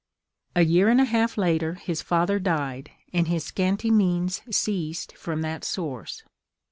A year and a half later his father died, and his scanty means ceased from that source.